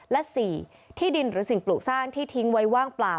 และ๔ที่ดินหรือสิ่งปลูกสร้างที่ทิ้งไว้ว่างเปล่า